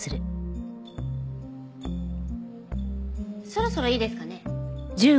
そろそろいいですかね？